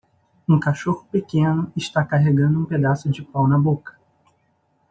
Um cachorro pequeno está carregando um pedaço de pau na boca.